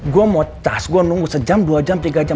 gue mau tas gue nunggu sejam dua jam tiga jam